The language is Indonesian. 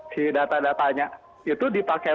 si data datanya itu dipakai